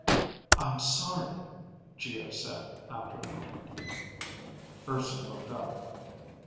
"I'm sorry," Geo said after a moment. Urson looked up.